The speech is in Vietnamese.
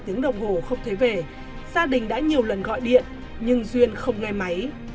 tiếng đồng hồ không thấy về gia đình đã nhiều lần gọi điện nhưng duyên không nghe máy